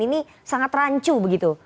ini sangat rancu begitu